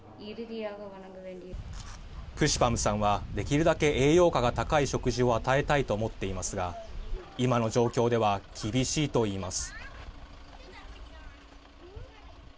プシパムさんはできるだけ栄養価が高い食事を与えたいと思っていますが今の状況では厳しいと言います。